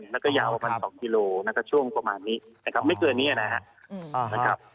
มันก็ยาวกว่า๒กิโลกรัมช่วงประมาณนี้ไม่เกินนี้นะครับ